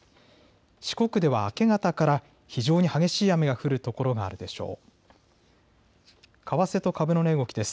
四国では明け方から非常に激しい雨が降る所があるでしょう。